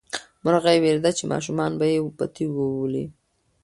مرغۍ وېرېده چې ماشومان به یې په تیږو وولي.